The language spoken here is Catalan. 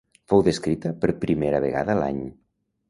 Fou descrita per primera vegada l'any.